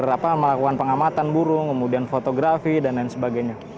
berapa melakukan pengamatan burung kemudian fotografi dan lain sebagainya